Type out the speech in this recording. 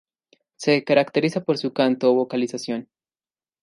Se caracterizan por su canto o vocalización.